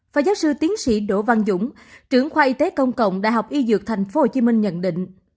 phó giáo sư tiến sĩ đỗ văn dũng trưởng khoa y tế công cộng đại học y dược tp hcm nhận định